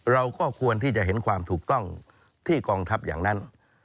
เราก็ควรที่จะเห็นความถูกต้องที่กองทัพอย่างนั้น